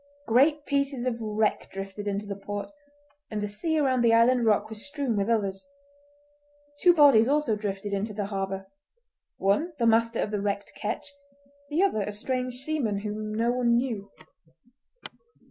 Great pieces of wreck drifted into the port, and the sea around the island rock was strewn with others. Two bodies also drifted into the harbour—one the master of the wrecked ketch, the other a strange seaman whom no one knew.